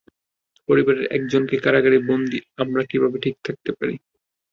পরিবারের একজনকে কারাগারে বন্দী আমরা কিভাবে ঠিক থাকতে পারি?